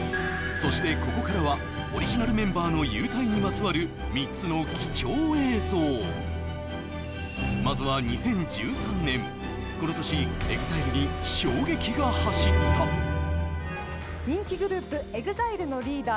そしてここからはオリジナルメンバーの勇退にまつわる３つの貴重映像まずは２０１３年この年ＥＸＩＬＥに衝撃が走った人気グループＥＸＩＬＥのリーダー